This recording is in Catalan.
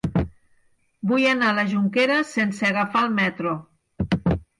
Vull anar a la Jonquera sense agafar el metro.